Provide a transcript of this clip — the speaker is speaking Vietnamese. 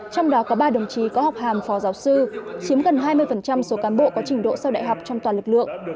trong đó có ba đồng chí có học hàm phó giáo sư chiếm gần hai mươi số cán bộ có trình độ sau đại học trong toàn lực lượng